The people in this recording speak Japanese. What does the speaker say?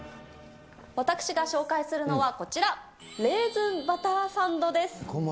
私が紹介するのは、こちら、レーズンバターサンドです。